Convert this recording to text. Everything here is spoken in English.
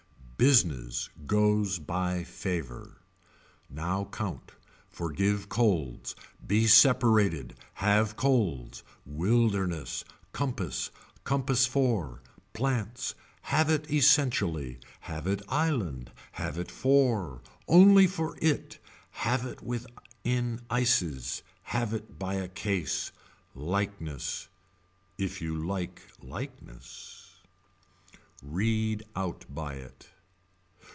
Business goes by favor. Now count. Forgive colds. Be separated. Have colds. Wilderness. Compass. Compass for. Plants. Have it essentially. Have it island. Have it for. Only for it. Have it within ices. Have it by a case. Likeness. If you like likeness. Read out by it.